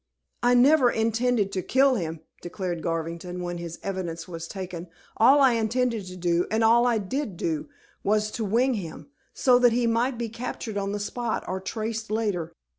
"I never intended to kill him," declared Garvington when his evidence was taken. "All I intended to do, and all I did do, was to wing him, so that he might be captured on the spot, or traced later.